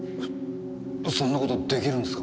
そんな事できるんですか？